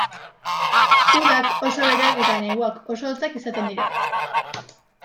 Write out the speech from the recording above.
Udak oso beroak eta neguak oso hotzak izaten dira.